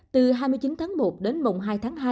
từ hai mươi chín tháng một đến mùng hai tháng hai